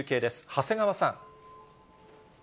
長谷川さん。